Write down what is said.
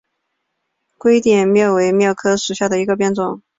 洼点蓼为蓼科蓼属下的一个变种。